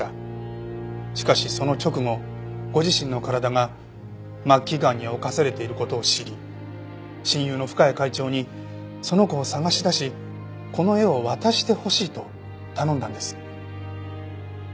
しかしその直後ご自身の体が末期がんに侵されている事を知り親友の深谷会長にその子を捜し出しこの絵を渡してほしいと頼んだんです。